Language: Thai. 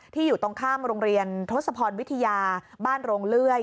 อยู่ตรงข้ามโรงเรียนทศพรวิทยาบ้านโรงเลื่อย